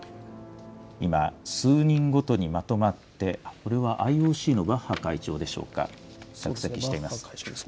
今、数人ごとにまとまって、これはＩＯＣのバッハ会長でしょうか、出席しています。